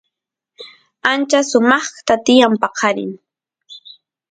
ancha sumaqta tiyan paqarin